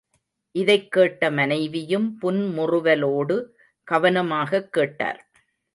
இதைக் கேட்ட மனைவியும் புன் முறுவலோடு கவனமாகக் கேட்டார்.